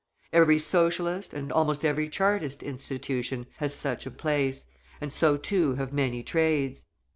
Every Socialist, and almost every Chartist institution, has such a place, and so too have many trades.